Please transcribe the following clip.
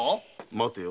待てよ。